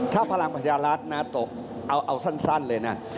ถ้าพลังประชารัฐนะตกเอาสั้นเลยนะ